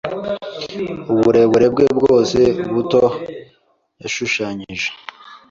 Uburebure bwe bwose buto yashushanyije